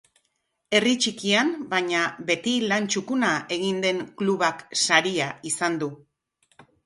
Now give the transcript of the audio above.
Herri txikian, baina beti lan txukuna egin den klubak saria izan du.